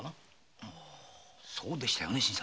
そうでしたよね